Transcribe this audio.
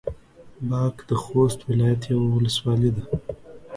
باک د خوست ولايت يوه ولسوالي ده.